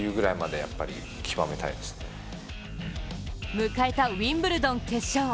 迎えたウィンブルドン決勝。